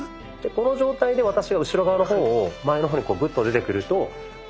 この状態で私が後ろ側の方を前の方にグッと出てくると。